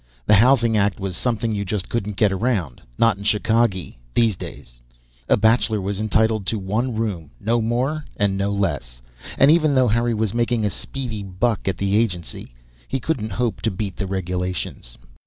The Housing Act was something you just couldn't get around; not in Chicagee these days. A bachelor was entitled to one room no more and no less. And even though Harry was making a speedy buck at the agency, he couldn't hope to beat the regulations.